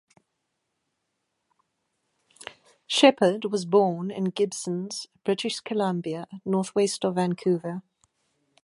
Sheppard was born in Gibsons, British Columbia, northwest of Vancouver.